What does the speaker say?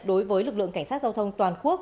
đối với lực lượng cảnh sát giao thông toàn quốc